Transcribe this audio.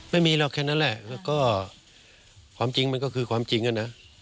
ไม่มีหรอกแค่นั้นแหละแล้วก็ความจริงมันก็คือความจริงอะนะ